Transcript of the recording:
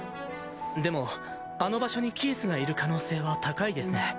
でもあの場所にキースがいる可能性は高いですね。